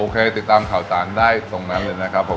ติดตามข่าวสารได้ตรงนั้นเลยนะครับผม